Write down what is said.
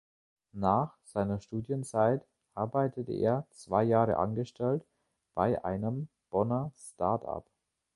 Nach seiner Studienzeit arbeitete er zwei Jahre angestellt bei einem Bonner Startup.